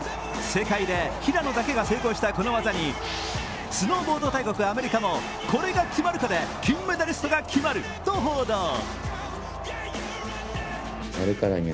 世界で平野だけが成功したこの技にスノーボード大国・アメリカも、これが決まるかで金メダリストが決まると報道。